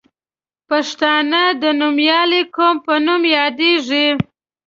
پښتانه د نومیالي قوم په نوم یادیږي.